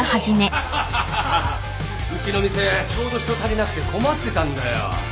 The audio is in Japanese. うちの店ちょうど人足りなくて困ってたんだよ。